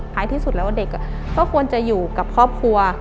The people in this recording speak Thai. ที่สุดแล้วเด็กก็ควรจะอยู่กับครอบครัว